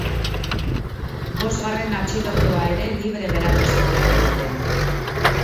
Bosgarren atxilotua ere libre geratu zen larunbatean.